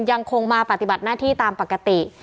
ยังคงมาปฏิบัติหน้าที่ตามปกติ